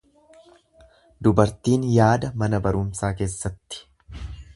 Dubartiin yaada mana barumsaa keessatti.